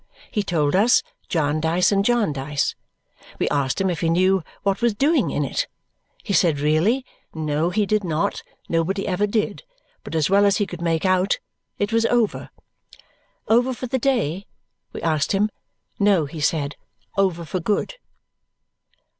He told us Jarndyce and Jarndyce. We asked him if he knew what was doing in it. He said really, no he did not, nobody ever did, but as well as he could make out, it was over. Over for the day? we asked him. No, he said, over for good.